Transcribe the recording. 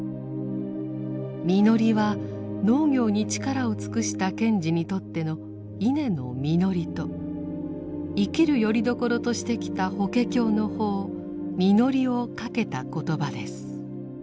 「みのり」は農業に力を尽くした賢治にとっての稲の「実り」と生きるよりどころとしてきた法華経の法「御法」をかけた言葉です。